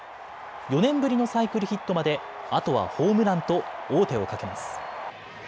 ４年ぶりのサイクルヒットまであとはホームランと王手をかけます。